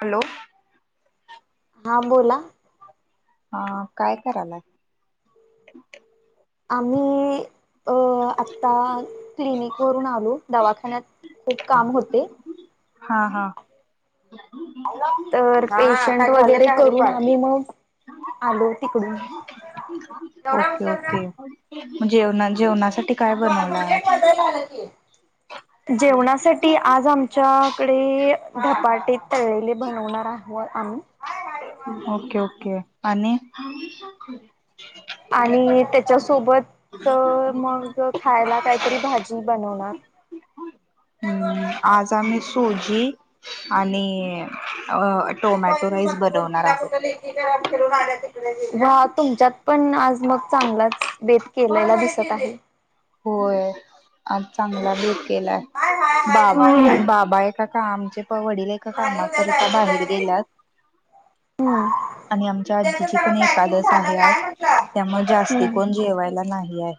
Hello. हा बोला. हा काय करायलाय? आम्ही अ. आता क्लिनिक वरून आलो, दवाखान्यात खूप काम होते हा हा. तर पेशंट वगैरे करून आम्ही मग आलो तिकडून एवढा ओके उशीर का? ओके म जेवणा-जेवणासाठी काय बनवलं एक आज? वाजायला आलं की. जेवणासाठी आज आमच्याकडे धपाटे तळलेले बनवणार आहोत आम्ही. ओके ओके आणि आणि त्याच्यासोबत तर मग खायला काहीतरी भाजी बनवणार. हम्म आज आम्ही सोजी आणि अ. नाही टोमॅटो राईस बनवणार आहोत. व्वा तुमच्यात पण आज मग चांगलाच बेत केलेला दिसत आहे. होय आज चांगलाच बेत केलाय हाय हाय बा हाय निवांत आहे बाबा एक आता आमचे वडील एक कामा करता बाहेर गेल्यात ह. आणि आमच्या आजीची पण एकादस आहे काय आज म्हटलं? त्यामुळे हम्म जास्ती कोण हम्म जेवायला नाही याय.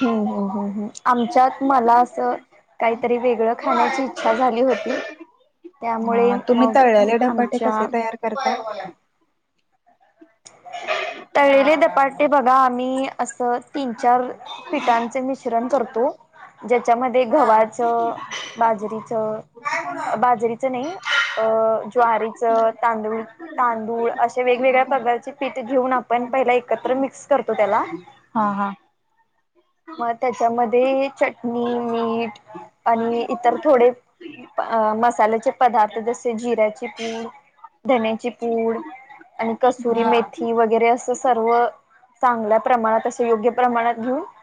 हम् हम् हम्. हं आमच्यात मला असं काहीतरी वेगळं खाण्याची इच्छा झाली होती त्यामुळे हा तुम्ही मग तळलेले धपाटे आमच्या कसे तयार करता तळलेले धपाटे बघा आम्ही अस - - सं तीन चार पिठाचे मिश्रण करतो. जेच्यामधे ते गव्हाचंं, बाजरीचं, बाजरीचं नाही अ ज्वारीचं, तांदूळ तांदूळ अशे वेगवेगळ्या प्रकारच पीठ घेऊन आपण पहिला एकत्र मिक्स करतो त्याला. हा, हा. म.. त्याच्यामध्ये चटणी, मीठ - - आणि इतर थोडे म-अ.. मसाल्याचे पदार्थ जसे जिऱ्याची पूड धण्याची पूड आणि कसुरी मेथी वगैरे असं सर्व चांगल्या प्रमाणात असं योग्य प्रमाणात घेऊन - -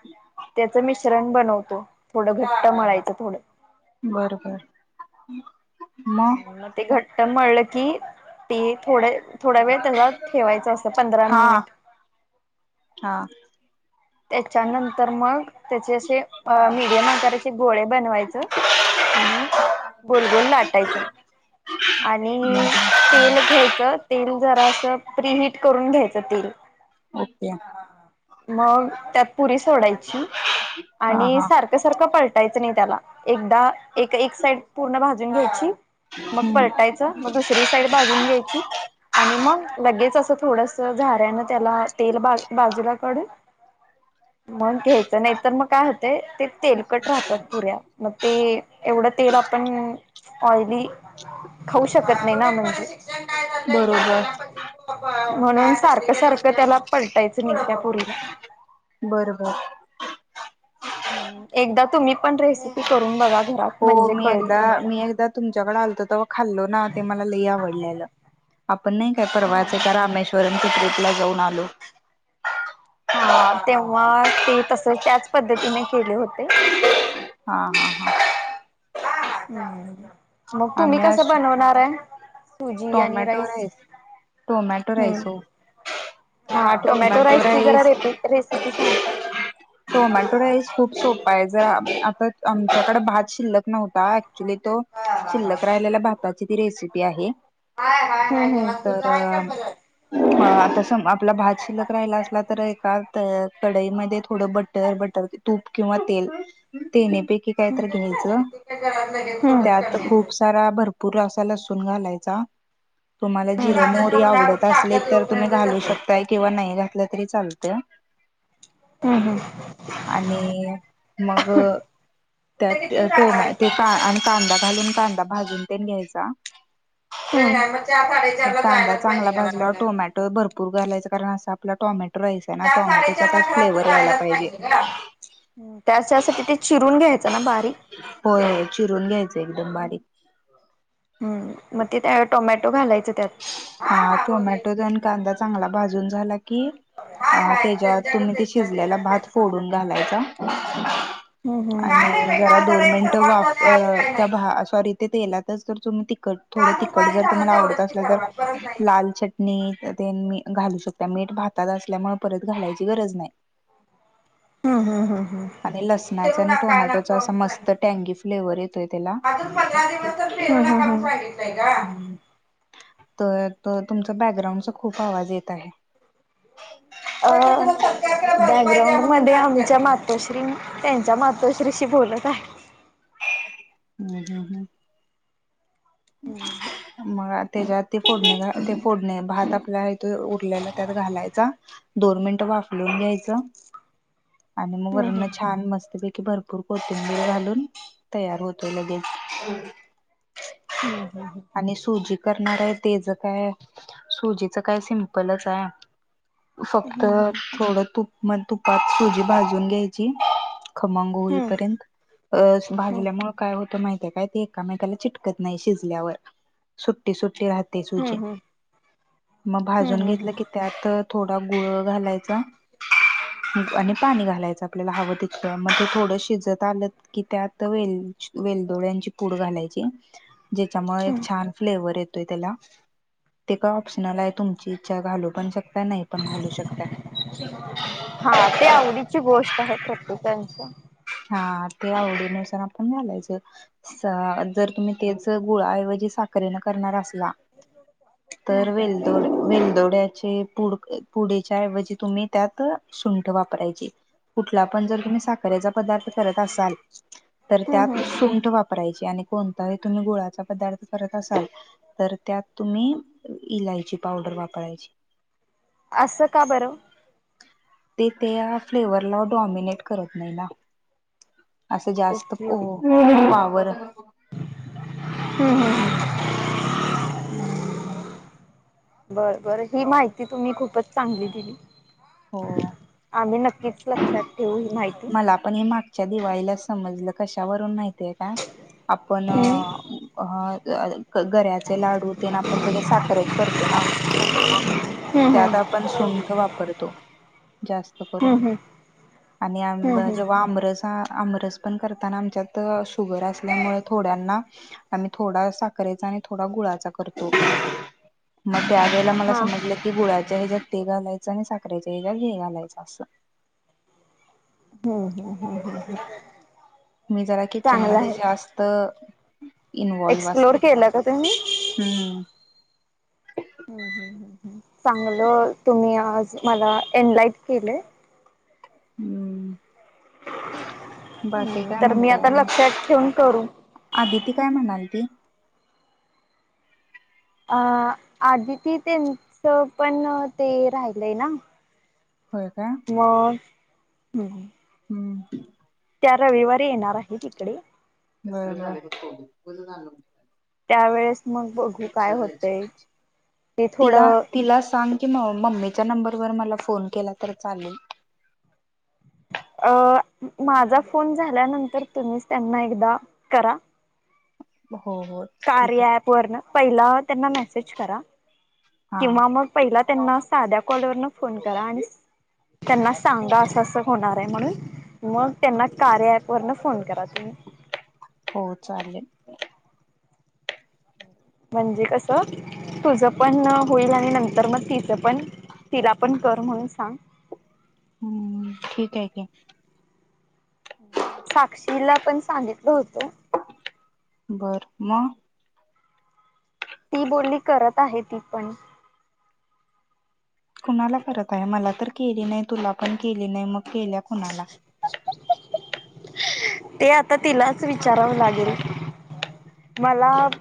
थोडं घट्ट मळायचं थोडं. बरं, बरं मग - - तर मळल की ते थोडे - - थोडा वेळ त्याला ठेवायच असं पंधरा हा मिनिट. हा त्याच्यानंतर मग त्याचे असे मिडियम आकाराचे गोळे बनवायच. आणि गोलगोल लाटायचं. आणि तेल घ्यायचं. तेल - - जरास प्रिहिट करून घ्यायचं तेल. ओके. मग त्यात पुरी सोडायची हा आणि हा सारखं सारखं- - पलटायचं नाही त्याला एकदा एक एक साईड पूर्ण भाजून घ्यायची. मग पलटायचं मग दुसरी साईड भाजून घ्यायची आणि मग लगेच अस थोडस झाऱ्यान त्याला तेल बाजूला काढून मग घ्यायचं नाही. तर मग काय होतय ते तेलकट राहतात पुऱ्या मग ते एवढं तेल आपण ऑयली खाऊ शकत नाही ना म्हण बरोबर म्हणून सारखं सारखं त्याला पलटायचं नाही त्या पुरीला. बर, बर. ह एकदा तुम्ही पण रेसिपी करून बघा. घरात हो. म्हणजे मी कळेल एकदा तुम्हाला मी एकदा तुमच्याकडे आलतो तेव्हा खाल्लो ना ते मला लई आवडलेलं. आपण नाही काय परवायचंय का रामेश्वरमच्या ट्रिपला जाऊन आलो. हा. तेव्हा ते तस त्याच पद्धतीने केले होते. हा, हा, हा. मग तूमी आम्ही कस आज बनवणारयं. सूजी आणि राईस. टोमॅटो राईस हम्म. हो हा टोमॅटो राईस ची जरा रेपि रेसिपी सांगा. टोमॅटो राईस खूप सोपं- - जर आता आमच्याकड भात शिल्लक नव्हता ऍक्च्युली तो हा हा हा हा शिल्लक राहिलेला भात - - ताची ती रेसिपी आहे. हंहं. ह आता सम आपला भात शिलक राहिला असला तर एका कढईमध्ये थोडं बटर बटर तूप किंवा तेल तिनी - - पैकी काहीतरी घ्यायचं ते काय घरात लगेच थोडंच कमी त्यात येतं खूप सारा भरपूर असं - - लसून घालायचा. तुम्हाला ते तर जिरं आता मोहरी जेवणावर आवडत असले ताकद तर तुम्ही येऊपर्यंत घालू तसंच. शकताय किंवा नाही घातलं तरी चाल तय. हम् हम. आणि मग? कुठे त्यात कितीला जाणार टोमॅटो आहेसा ते आणि कांदा घालून कांदा भाजून तेन घ्यायचा. हम्म. कांदा चांगला भाजल्यावर टोमॅटो भरपूर घालायचा कारण असा आपला टोमॅटो राईस आहे ना चार टोमॅटोचा त्यात साडेचारला घरातनं फ्लेवर यायला जायलाच पाहिजे. गं. त्याच्यासाठी ते चिरून घ्यायच. होय चिरून घ्यायचं एकदम बारीक. हम् मग ते त्या टोमॅटो घालायचं त्यात. हा टोमॅटो आणि कांदा चांगला भाजून झाला की कि हाय अ हाय त्याच्यात तुम्ही त्यांच्याकडे तो त्यांचा शिजलेला त्यांच्याकडे भात त्यांचा हाय. फोडून घालायचा. हम्म हम्म. काय नाही आणि बाई जरा काल दोन एक मिनिट सर्वात वाफ झालंय आज काय त्या नाही. भा सॉरी तेलातच जर तुम्ही तिखट थोडं काल तिखट दुपारी जर झालं तुम्हाला आवडत तेवढंच की असल तर सर्वात परत नाही. लाल चटणी मी घालू शकता मीठ भातात असल्यामुळे परत घालायची गरज नाही. हम्म हम्म हम्म हम्म. आणि लसणाचा पेरू आणि नका टोमॅटोचा नको असा म्हणून मस्त टँगी फ्लेवर येतोय त्याला. [inaudible] हम्म हम्म हम्म [inaudible] तर त तुमचा बॅकग्राउंडचा खूप आवाज येत आहे. अ बॅकग्राउड मध्ये आमच्या मातोश्री त्यांच्या मातोश्रीशी बोल त आहेत. हम् हम्म हम्म. [inaudible] मग तेच्यात ते फोडणला ते फोडणे भात आपला हाय त्यो उरलेला त्यात घालायचा. दोन मिनिटं वाफलून घ्यायचं आणि मग हम्म वरून छान मस्तपै कि भरपूर कोथिंबीर घालून तयार होतो लगेच. हम् हम् ह. आणि सुजी करणार आहे तेच काय सुजीचं काय सिम्पलच हाय. फक्त हम्म हम्म थोडं तुप म तुपात सुजी भाजून घ्यायची. खमंग हम्म होईपर्यंत अ भाजल्यामुळे काय होतं माहितय काय ते एकामेकाला चिटकत नाही शिजल्यावर सुट्टी, सुट्टी राहते हम्म सुजी हम्म मग हम्म भाजून घेतलं हम्म की त्यात अ थोडा गुळ घालायचा. आणि पाणी घालायचं आपल्याला हवं तितकं म ते थोड शिजऊन आल की त्यात वे वेलदोड्यांची पूड घालायची. जेच्यामुळ एक हम्म. छान फ्लेवर येतो. तोय तेला ते काय ऑपशनल आहे तुमची इच्छा घालू पण शक हा ते आवडीची गोष्ट आहे प्रत्येकच. हा ते आवडीनुसार आपण घलायचं अ जर तुम्ही तेच गुळाऐवजी साखर ने करनार असला, तर वेलदो वेलदोड्या ची पुढ पुढच्या ऐवजी त्यात तुम्ही सुंठ वापरायची. कुठला पण जर तुम्ही साखरेचा पदार्थ करत असाल तर हम्म त्यात हम्म सुंठ वापरायची आणि कोणताही तुम्ही गुळाचा पदार्थ करत असाल तर त्या त तुम्ही इलायची पावडर वापरायची. असं का बरं? ते त्या फ्लेवरला डॉमिनेट करत नाही ना. असं जास्त ओके हो ओके पावर हम्म हम्म. हम्म. बर बर ही माहिती तुम्ही खूपच चांगली दिली. हो आम्ही नक्कीच लक्षात ठेवू ही माहिती. मला पण हे मागच्या दिवाळीला समजलं कशावरून माहितीय काय आपण हम्म अ गऱ्याचे लाडू ते ना आपण सगळे साखरेत करतो ना. हम्म हम्म त्यात आपण सुंठ वापरतो. जास्त हम्म करून हम्म आणि आम हम्म जेव्हा हम्म आमरसा आमरस पण करताना आच्यात अ शुगर असल्यामुळ थोड्यांना आम्ही थोडा साखरेचा थोडा गुळाचा करतो. मग त्या वेळेला मला हा समजलं की गुळाच्या हेज्यात ते घालायचं आणि साख रेच्या हेज्यात हे घालायचं अस हम्म हम्म हम्म हम्म हम् मी जरा किचन मध्ये जास्त अ एक्सप्लोर केला का तुम्ही. हम्म चांगल तुम्ही आज मला एनलाइट केलंय. हम्म बाकीे हम्म, काय तर मी म्हणताय आता आणि लक्षात ठेवून करू आदिती काय म्हणाल ती. अं आदिती तेचं पण ते राहिलंय ना? होय काय हम् हम्म त्या रविवारी येणार आहेत इकडे [inaudible] त्यावेेळेस मग [inaudible] बघू काय होतय ते तिला थोडं तिला सांग कि म मम्मी च्या नंबर वर मला फोन केला तर चालेल, अं माझा फोन झाल्यानंतर तुम्हीच त्यांना एकदा करा. हो हो ठीक हाय. कार्या ऍप वरन पहिला त्यांना मेसेज करा, हा किंवा मग पहिला त्यांना साध्या कॉलवरनं फोन करा आणि त्यांना सांगा असं असं होणाराय म्हणून मग त्यांना कार्या ॲ वरन फोन करा. तुम्ही [inaudible] हो चालेल म्हणजे कस तुझ पण होईल आणि नंतर मग तिचं पण तिला पण कर म्हणून सांग हम्म ठीक आहे की साक्षीला पण सांगितल होतो. बर म ती बोलली, करत आहे ती पण, कुणाला करत आहे मला तर केली नाही तुला पण केली नाही मग केल्या कुणाला ते आता तिलाच विचारावं लागेल, मला हम्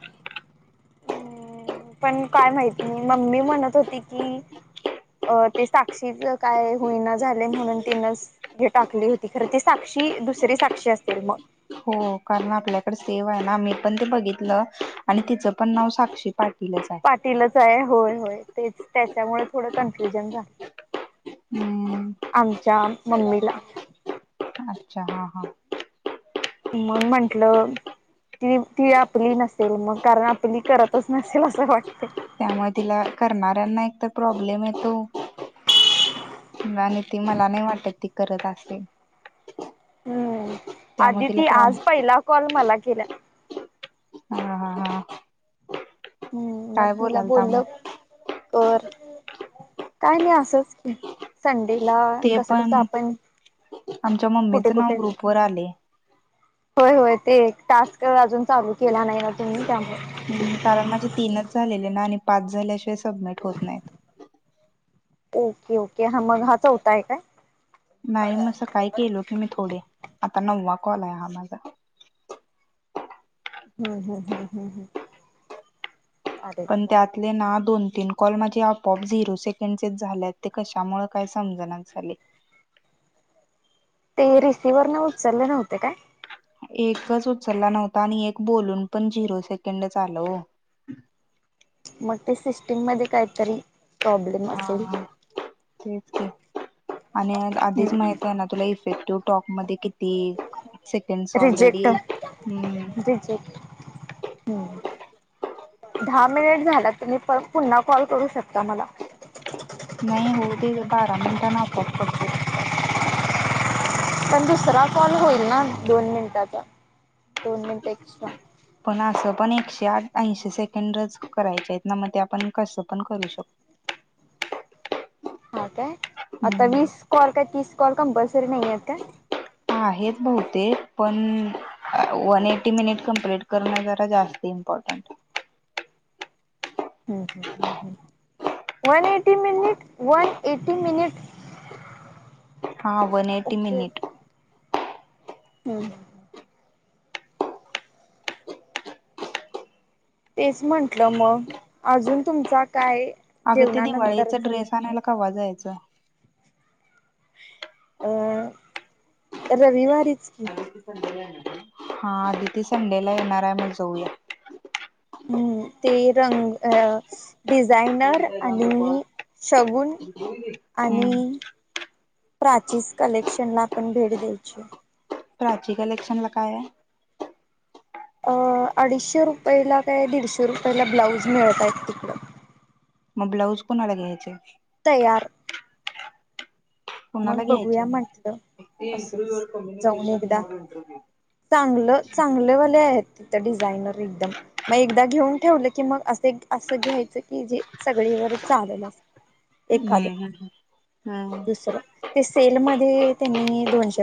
पण काय माहित म मम्मी म्हणत होती की, अ ते साक्षी काय होईना झालय म्हणून तिनच हे टाकली होती खर ती साक्ष ती दुसरी साक्षी असेल म हो कारण आपल्याकड सेव्ह आहे ना मी पण ते बघितलं आणि तिचं पण नाव साक्षी, पाटीलच आहे पाटीलच हाय होय होय तेच त्याच्यामुळे थोडं कन्फ्युजन झालं. हम्म आमच्या मम्मीला अच्छा हा हा [inaudible] म म्हंटलं ती ती आपली नसेल मग कारण आपली करतच नसेल असं वाटतय. त्यामुळे तिला करणाऱ्यांना एक तर प्रॉब्लेम येतो [inaudible] आणि ती मला नाही वाटत ती करत असेल? हम्म त्यामुळे तिला आदिती प्रॉब आज पहिला कॉल मला केल्या. हा हा हा हम्म म काय तिला बोलालता मग बोललं कर काय नाही असचं की संड ते पण, आमच्या कुठे मम्मीचं कुठे नाव ग्रुप वर आलय होय होय [unintelligible] ते टास्क अजून चालू केला नाही ना तुम्ही त्यामुळ कारण माझे तीनच झालेले ना आणि पाच झाल्याशिवाय सबमिट होत नाहीत. ओके, ओके हा मग हा चौथा आहे काय? नाही म सकाळी केलो की मी थोडे. आता नववा कॉल हाय हा माझा हम्म हम् हम्म हम्म हम् पण त्यातले ना दोन तीन कॉल माझे आपोआप झिरो सेकंडचे झाल्यात ते कशामुळे काय समजना झालय. [unintelligible] ते रिसिवर्हर न उचलले नव्हते काय? एकच उचलला नव्हता आणि एक बोलून पण झिरो सेकंड झालं हो. [inaudible] मग ते सिस्टीम मध्ये काहीतरी प्रॉब्लेम असेल. हा तेच आणि आधीच हम्म. माहित आहे ना तुला इफेक्टिव्ह टॉक मध्ये ती सेकंडस रिजेक्ट ऑलरेडी हम् रिजेक्ट [unintelligible] दहा मिनिट झाला. तुम्ही परत पुन्हा कॉल करू शकता मला. नाही हो ते बारा मिनिटां न आपोआप कट होतो कॉल. पण दुसरा कॉल होईल ना दोन मिनिटाचा दोन मिनट एक्स्ट्रा पण असं पण एकशे आठ ऐंशी सेकंडच करायचे आहेत ना मग ते आपण कसं पण करू शकतो.. [inaudible] हा काय, आता हम्म वीस कॉल काय तीस कॉल कंपल्सरी नाही आहेत काय?. आहेत बहुतेक पण वन एटी मिनिट कमप्लीट करणं जरा जास्त इम्पॉर्टंट. हम्महं one eighty minute, one eighty minute? हा, वन एटी मिनिट. हम्. तेच म्हंटलं मग अजून तुमचा काय अग ते दिवाळीचा जेवणानंतरचा ड्रेस आणायला कवा जायचं? अं रविवारीच की. हा आधी ते संडेला येणार आहे मग जाऊया. हम्म, ते रंग अ डिझायनर आणि शगुन हम्म आणि प्राचीस कलेक्शन ला आपण भेट द्यायची. प्राची कलेक्शन ला काय हाय? अं अडीचशे रुपयाला काय दीडशे रुपयाला ब्लाऊज मिळत आहेत तिकडं. मग ब्लाऊज कोणाला घ्यायचं? तयार. मग कुणाला घ्यायचे बघूया म्हटलं, असंच जाऊन एकदा. चांगलं चांगलेवाले आहेत. तिथ डिझायनर एकदम मग एकदा घेऊन ठेवलं की मग अस असं घ्यायचं की जे सगळी बर चालले. हम हम दुसरं ते सेल मध्ये त्यांनी दोनशे